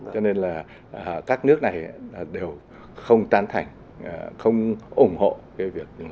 cho nên là các nước này đều không tán thành không ủng hộ cái việc